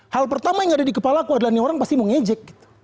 hal pertama yang ada di kepalaku adalah orang pasti mau ngejek